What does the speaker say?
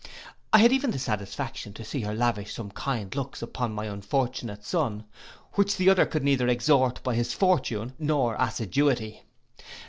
I had even the satisfaction to see her lavish some kind looks upon my unfortunate son, which the other could neither extort by his fortune nor assiduity.